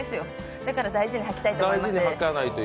だから大事にはきたいと思います。